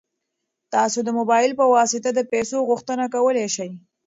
تاسو د موبایل په واسطه د پيسو غوښتنه کولی شئ.